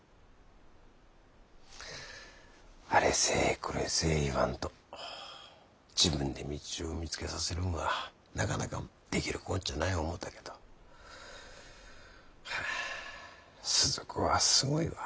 あれせえこれせえ言わんと自分で道を見つけさせるんはなかなかできるこっちゃない思うたけどはあ鈴子はすごいわ。